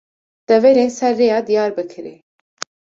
Deverên Ser Rêya Diyarbekirê